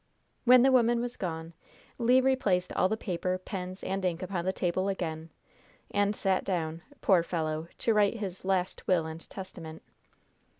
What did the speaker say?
When the woman was gone, Le replaced all the paper, pens and ink upon the table again, and sat down, poor fellow, to write his "last will and testament."